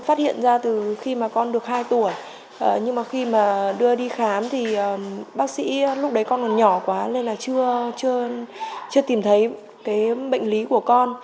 phát hiện ra từ khi mà con được hai tuổi nhưng mà khi mà đưa đi khám thì bác sĩ lúc đấy con còn nhỏ quá nên là chưa tìm thấy cái bệnh lý của con